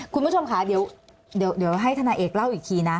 คุณผู้ชมค่ะเดี๋ยวให้ธนายเอกเล่าอีกทีนะ